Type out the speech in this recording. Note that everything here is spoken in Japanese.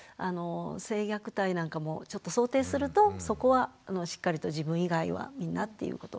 性虐待なんかもちょっと想定するとそこはしっかりと自分以外はみんなっていうこと。